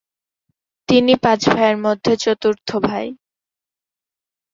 তিনি পাঁচ ভাইয়ের মধ্যে চতুর্থ ভাই।